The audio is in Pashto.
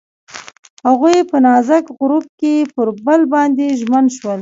هغوی په نازک غروب کې پر بل باندې ژمن شول.